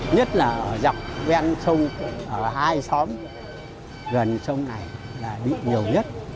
nhất là dọc bên sông ở hai xóm gần sông này là bị nhiều nhất